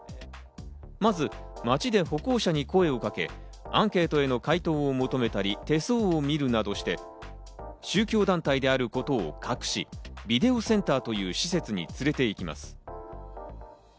まず街で歩行者に声をかけ、アンケートへの回答を求めたり、手相を見るなどして宗教団体であることを隠し、ビデオセンターという施設に連れて行きます。